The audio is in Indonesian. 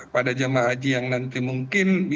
pada jamaah haji yang nanti mungkin